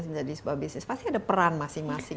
menjadi sebuah bisnis pasti ada peran masing masing